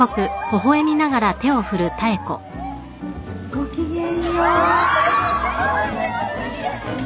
ごきげんよう。